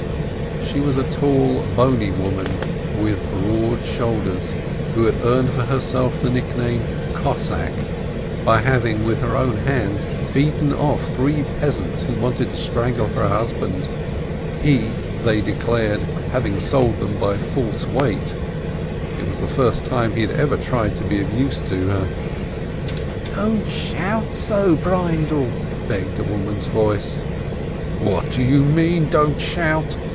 She was a tall, bony woman, with broad shoulders, who had earned for herself the nickname Cossack, by having, with her own hands, beaten off three peasants who wanted to strangle her husband, he, they declared, having sold them by false weight — it was the first time he had ever tried to be of use to her. "But don't shout so, Breindel!" begged a woman's voice. "What do you mean by 'don't shout'